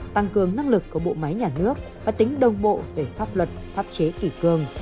tăng cường năng lực của bộ máy nhà nước và tính đồng bộ về pháp luật pháp chế kỷ cương